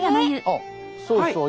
あっそうそう。